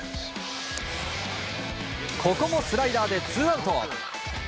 ここもスライダーでツーアウト！